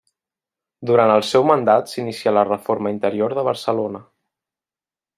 Durant el seu mandat s'inicià la reforma interior de Barcelona.